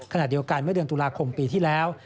ขณะเดียวกันเมื่อเดือนตุลาคมปีที่แล้ว